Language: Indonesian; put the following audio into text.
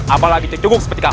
apalagi cengcengguk seperti kamu